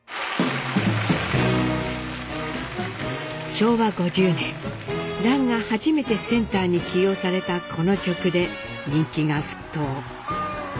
昭和５０年蘭が初めてセンターに起用されたこの曲で人気が沸騰。